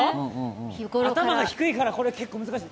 頭が低いから結構難しい。